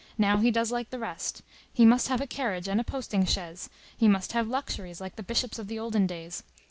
Now he does like the rest; he must have a carriage and a posting chaise, he must have luxuries, like the bishops of the olden days.